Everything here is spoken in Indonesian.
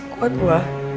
kok itu ah